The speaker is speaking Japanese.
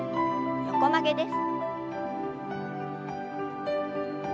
横曲げです。